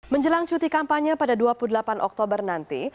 menjelang cuti kampanye pada dua puluh delapan oktober nanti